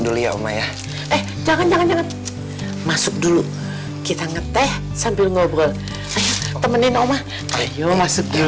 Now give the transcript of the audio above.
dulu ya oma ya eh jangan jangan masuk dulu kita ngeteh sambil ngobrol saya temenin oma ayo masuk dulu